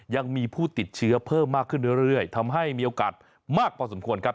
ยังมีผู้ติดเชื้อเพิ่มมากขึ้นเรื่อยทำให้มีโอกาสมากพอสมควรครับ